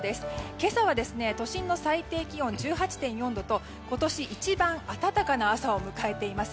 今朝は都心の最低気温１８．４度と今年一番暖かな朝を迎えています。